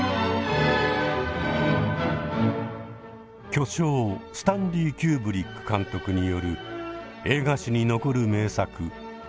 巨匠スタンリー・キューブリック監督による映画史に残る名作「２００１